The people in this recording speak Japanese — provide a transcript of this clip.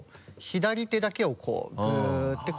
左手だけをこうグッて。